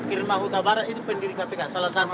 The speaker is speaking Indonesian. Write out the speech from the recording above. irma huta barat itu pendiri kpk salah satu